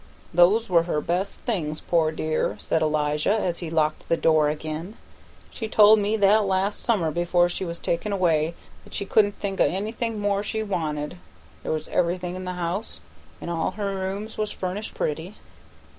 "Those were her best things, poor dear," said Elijah as he locked the door again. "She told me that last summer before she was taken away that she couldn't think o' anything more she wanted, there was everything in the house, an' all her rooms was furnished pretty.